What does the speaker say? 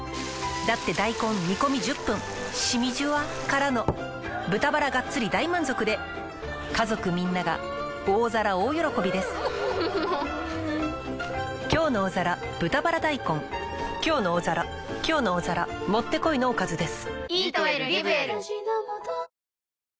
だって大根煮込み１０分しみじゅわからの豚バラがっつり大満足で家族みんなが大皿大喜びです「きょうの大皿」「きょうの大皿」もってこいのおかずです。